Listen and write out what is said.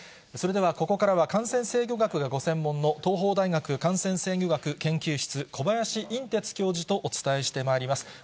それではここからは、感染制御学がご専門の、東邦大学感染制御学研究室、小林寅てつ教授とお伝えしてまいります。